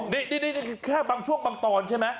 นี่แค่บางช่วงบางตอนใช่ไหม